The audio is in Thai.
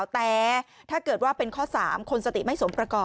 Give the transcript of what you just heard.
แต่ถ้าเกิดว่าเป็นข้อ๓